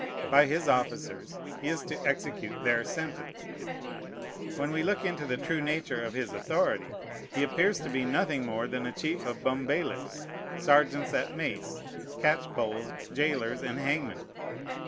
By his officers he is to execute their sentence. When we look into the true nature of his authority, he appears to be nothing more than a chief of bumbailiffs, sergeants at mace, catchpoles, jailers, and hangmen.